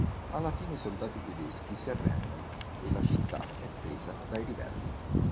Alla fine i soldati tedeschi si arrendono, e la città è presa dai ribelli.